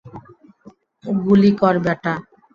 গুলি কর বেটা!